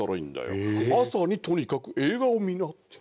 朝にとにかく映画を見なって。